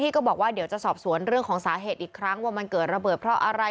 ก็บอกว่าเดี๋ยวจะสอบสวนเรื่องของสาเหตุอีกครั้งว่ามันเกิดระเบิดเพราะอะไร